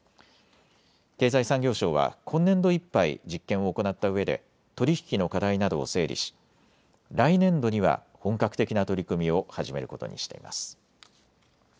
経済産業省は今年度いっぱい実験を行ったうえで取り引きの課題などを整理し来年度には本格的な取り組みを始めることにしています。